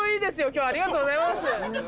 今日ありがとうございます。